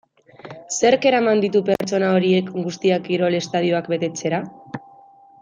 Zerk eraman ditu pertsona horiek guztiak kirol estadioak betetzera?